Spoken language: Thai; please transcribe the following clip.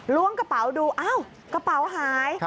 ้วงกระเป๋าดูอ้าวกระเป๋าหาย